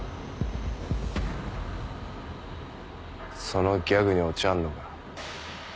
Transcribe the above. そのギャグにオチあんのか？